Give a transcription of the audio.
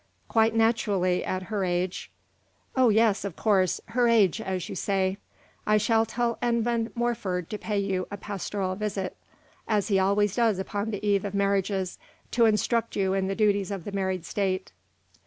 "Quite naturally at her age." "Oh, yes, of course her age, as you say. I shall tell Edmund Morford to pay you a pastoral visit, as he always does upon the eve of marriages, to instruct you in the duties of the married state."